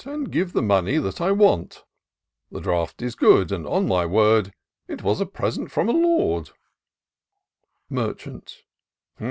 And give the money that I want ; The draft is good — and, on my word, It was a present from a lord," Merchant.